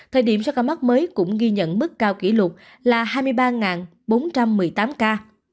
thời điểm số ca mắc mới cũng ghi nhận mức cao kỷ lục là hai mươi ba bốn trăm một mươi tám ca